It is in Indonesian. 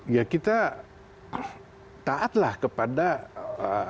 ya kita taatlah kepada aturan internasional itu